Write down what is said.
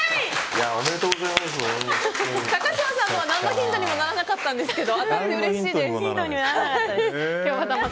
高嶋さんのは何のヒントにもならなかったんですけど当たって嬉しいです。